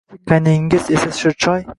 Kichik qayningiz esa shirchoy